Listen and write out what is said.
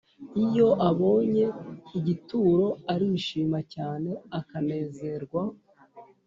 Iyo abonye igituro Arishima cyane akanezerwa